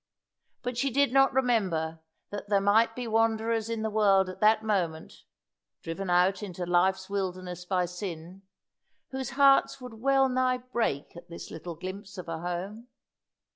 But she did not remember that there might be wanderers in the world at that moment driven out into life's wilderness by sin whose hearts would well nigh break at this little glimpse of a home.